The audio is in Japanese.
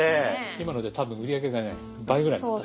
今ので多分売り上げがね倍ぐらいになった。